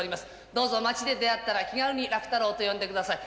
どうぞ街で出会ったら、気軽に楽太郎と呼んでください。